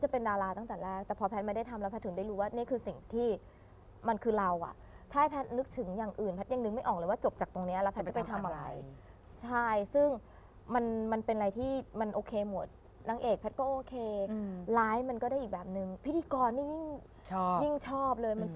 พี่ดิกรยิ่งชอบเลย